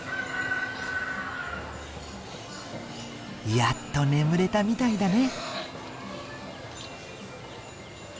やっと眠れたみたいだね。